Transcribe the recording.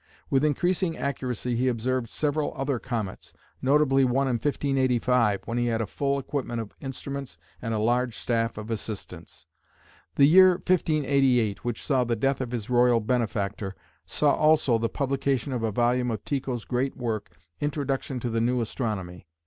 With increasing accuracy he observed several other comets, notably one in 1585, when he had a full equipment of instruments and a large staff of assistants. The year 1588, which saw the death of his royal benefactor, saw also the publication of a volume of Tycho's great work "Introduction to the New Astronomy".